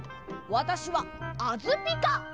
わたしはあづピカ！